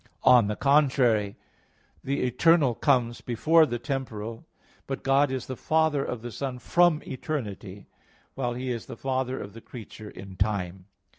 On the contrary, The eternal comes before the temporal. But God is the Father of the Son from eternity; while He is the Father of the creature in time.